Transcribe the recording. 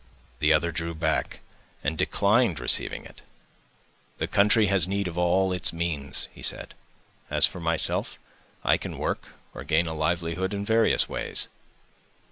The other drew back, and declined receiving it. "The country has need of all its means," he said; "as for myself, I can work, or gain a livelihood in various ways."